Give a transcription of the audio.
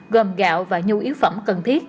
gồm gạo và nhu yếu phẩm cần thiết